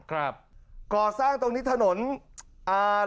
ครับก่อสร้างตรงนี้ถนนอ่ารัฐชดาพิเศษ